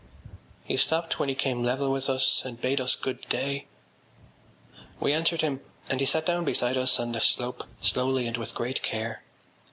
He stopped when he came level with us and bade us good day. We answered him and he sat down beside us on the slope slowly and with great care.